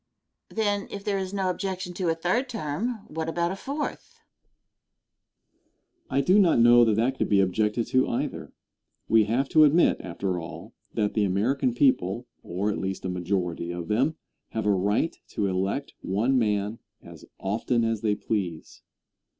Then, if there is no objection to a third term, what about a fourth? Answer. I do not know that that could be objected to, either. We have to admit, after all, that the American people, or at least a majority of them, have a right to elect one man as often as they please.